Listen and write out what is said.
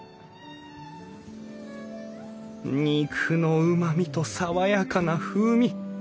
肉のうまみと爽やかな風味。